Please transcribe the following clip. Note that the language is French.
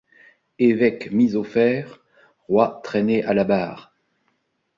Évêques mis aux fers, rois traînés à la barre